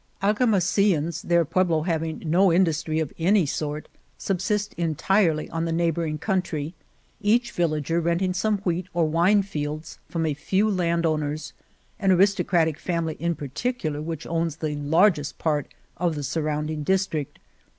46 Argamasilla Argamasillans, their pueblo having no in dustry of any sort, subsist entirely on the neighboring country, each villager renting some wheat or wine fields from a few land owners, an aristocratic family in par ticular which owns the largest part of the surrounding district.